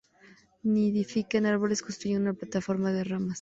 Nidifica en árboles, construyendo una plataforma de ramas.